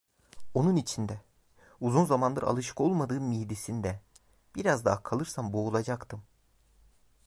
Onun içinde, uzun zamandır alışık olmadığım midesinde biraz daha kalırsam boğulacaktım.